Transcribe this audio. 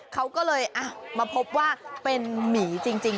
เขาก็เลยมาพบว่าเป็นหมีจริง